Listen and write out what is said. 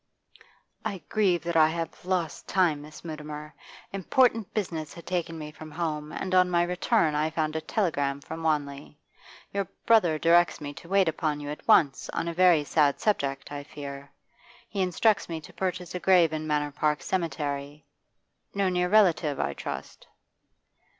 'I grieve that I have lost time, Miss Mutimer. Important business had taken me from home, and on my return I found a telegram from Wanley. Your brother directs me to wait upon you at once, on a very sad subject, I fear. He instructs me to purchase a grave in Manor Park Cemetery. No near relative, I trust?